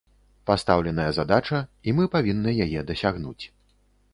Пастаўленая задача, і мы павінны яе дасягнуць.